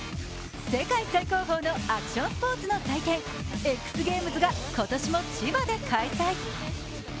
世界最高峰のアクションスポーツの祭典、ＸＧＡＭＥＳが今年も千葉で開催。